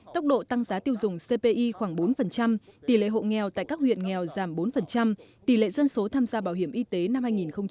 tốc độ tăng giá tiêu dùng cpi khoảng bốn tỷ lệ hộ nghèo tại các huyện nghèo giảm bốn tỷ lệ dân số tham gia bảo hiểm y tế năm hai nghìn một mươi chín